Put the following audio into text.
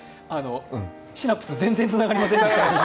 シナプス、全然つながりませんでした。